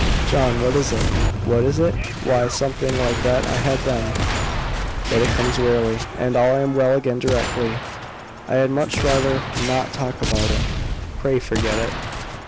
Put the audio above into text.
"John, what is it?" "What is it? Why, something like what I had then; but it comes rarely, and I am well again directly. I had much rather not talk about it. Pray forget it."